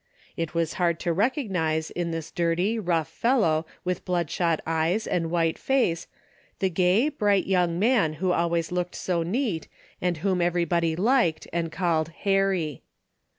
It was hard to recognize in this dirty, rough fellow with bloodshot eyes and white DAILY BATE,' 181 face, the gay, bright young man who always looked so neat, and whom everybody liked and called " Harry.